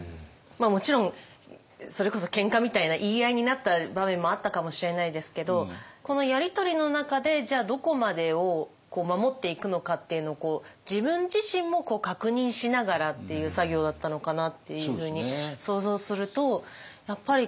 もちろんそれこそ喧嘩みたいな言い合いになった場面もあったかもしれないですけどこのやり取りの中でじゃあどこまでを守っていくのかっていうのを自分自身も確認しながらっていう作業だったのかなっていうふうに想像するとやっぱり